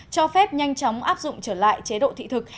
cho phép nhanh chóng áp dụng trở lại chế độ thị thực